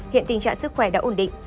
hiện tình trạng sức khỏe đã ổn định